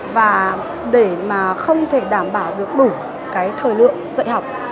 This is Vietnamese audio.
và để mà không thể đảm bảo được đủ cái thời lượng dạy học